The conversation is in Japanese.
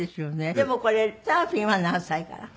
でもこれサーフィンは何歳から？